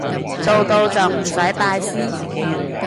做到就唔使拜師